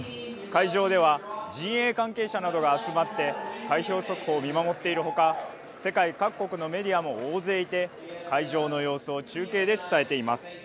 会場では陣営関係者などが集まって開票速報を見守っているほか、世界各国のメディアも大勢いて会場の様子を中継で伝えています。